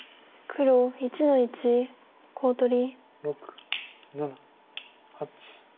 白１の二コウ取り。